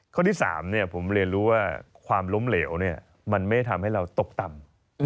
ข้อที่๓ผมเรียนรู้ว่าความล้มเหลวมันไม่ได้ทำให้เราตกต่ำ